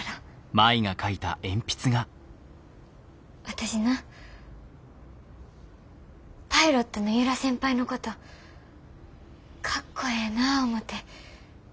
私なパイロットの由良先輩のことかっこええな思て勝手に憧れてた。